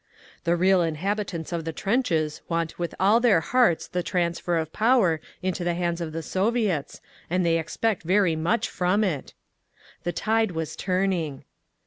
"The real inhabitants of the trenches want with all their hearts the transfer of Power into the hands of the Soviets, and they expect very much from it!"… The tide was turning.